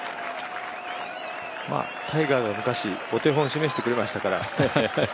タイガーが昔、お手本を示してくれましたから。